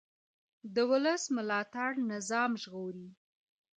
د ولس ملاتړ نظام ژغوري